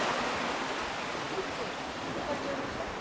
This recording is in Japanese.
キッチン借りちゃいました。